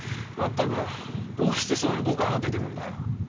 全くどうしてそういう誤解が出てくるんだよ。